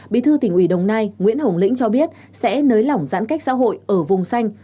bí thư tỉnh ủy đồng nai nguyễn hồng lĩnh cho biết sẽ nới lỏng giãn cách xã hội ở vùng xanh